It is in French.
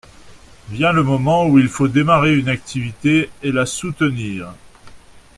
Vient le moment où il faut démarrer une activité et la soutenir.